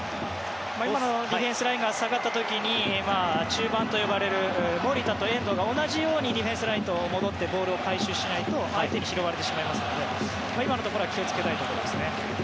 今のディフェンスラインが下がった時に中盤と呼ばれる守田と遠藤が同じようにディフェンスラインに戻ってボールを回収しないと相手に拾われてしまいますので今のところは気をつけたいところですね。